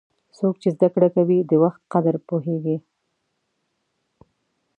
څوک چې زده کړه کوي، د وخت قدر پوهیږي.